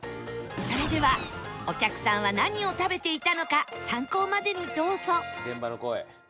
それではお客さんは何を食べていたのか参考までにどうぞ